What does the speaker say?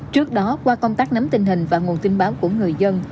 trước đó qua công tác nắm tình hình và nguồn tin báo của người dân